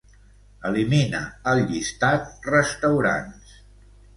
Elimina el llistat "restaurants".